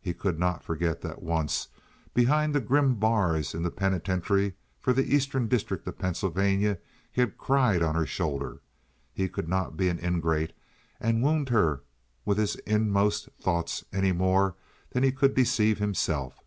He could not forget that once, behind the grim bars in the penitentiary for the Eastern District of Pennsylvania, he had cried on her shoulder. He could not be an ingrate and wound her with his inmost thoughts any more than he could deceive himself.